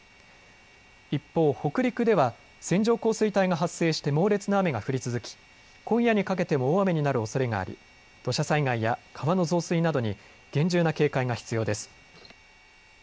一方、北陸では線状降水帯が発生して猛烈な雨が降り続き、今夜にかけても大雨になるおそれがあり土砂災害や川の増水などに厳重な警戒が必要です。